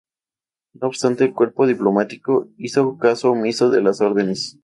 No obstante, el cuerpo diplomático hizo caso omiso de las órdenes.